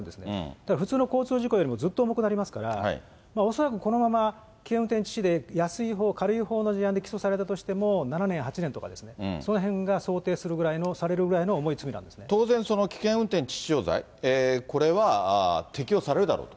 だから普通の交通事故よりもずっと重くなりますから、恐らくこのまま危険運転致死でやすいほう、軽いほうで起訴されたとしても、７年、８年とか、そのへんが想定当然、危険運転致死傷罪、これは適用されるだろうと。